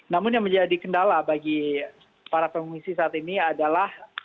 namun yang menjadi kendala bagi para pengungsi saat ini adalah